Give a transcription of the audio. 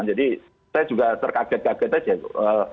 jadi saya juga terkaget kaget aja itu